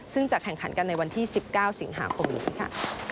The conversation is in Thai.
ซึ่งจะแข่งขันกันในวันที่๑๙สิงหาคมนี้ค่ะ